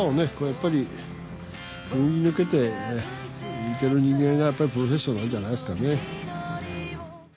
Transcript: やっぱりくぐり抜けていける人間がやっぱりプロフェッショナルなんじゃないですかね。